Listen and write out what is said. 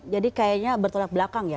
jadi kayaknya bertolak belakang